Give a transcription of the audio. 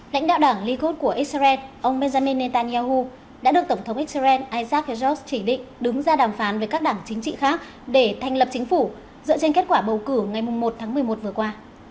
lãnh đạo đảng ligos của israel ông benjamin netanyahu đã được tổng thống israel isak heijos chỉ định đứng ra đàm phán với các đảng chính trị khác để thành lập chính phủ dựa trên kết quả bầu cử ngày một tháng một mươi một vừa qua